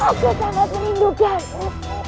aku sangat rindukanmu